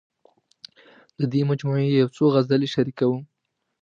د دې مجموعې یو څو غزلې شریکوم.